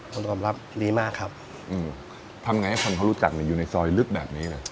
ต้องยอมรับดีมากครับทำไงให้คนเขารู้จักอยู่ในซอยลึกแบบนี้เลย